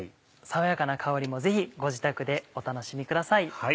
爽やかな香りもぜひご自宅でお楽しみください。